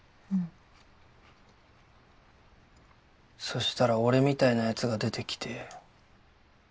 そしたら俺みたいなヤツが出てきて。